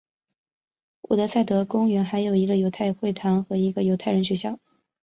伍德塞德公园还有一个犹太会堂和一个犹太人学校。